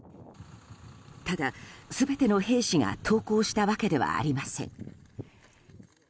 ただ全ての兵士が投降したわけではありません。